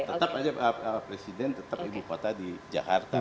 tetap aja presiden tetap ibu kota di jakarta